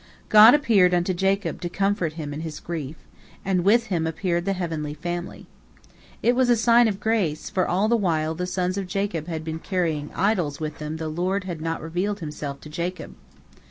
God appeared unto Jacob to comfort him in his grief, and with Him appeared the heavenly family. It was a sign of grace, for all the while the sons of Jacob had been carrying idols with them the Lord had not revealed Himself to Jacob.